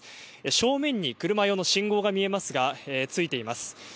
正面に車用の信号が見えますがついています。